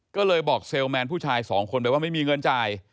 ก็เลยบอกเซลลแมนผู้ชายสองคนไปว่าไม่มีเงินจ่าย